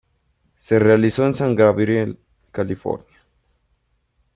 Se realizó en San Gabriel, California.